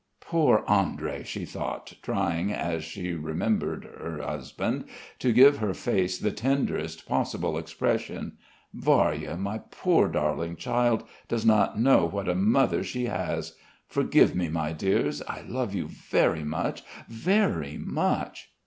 "Poor Andrey," she thought, trying, as she remembered her husband, to give her face the tenderest possible expression "Varya, my poor darling child, does not know what a mother she has. Forgive me, my dears. I love you very much ... very much!..."